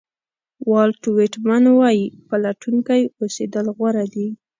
والټ وېټمن وایي پلټونکی اوسېدل غوره دي.